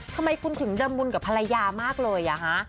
ทำไมคุณถึงดรรมุนกับภรรยามากเลยคะ